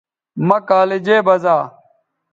مہ کالجے بزا